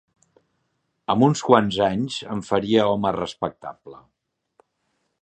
Amb uns quants anys em faria home respectable.